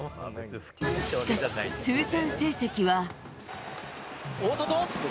しかし、通算成績は。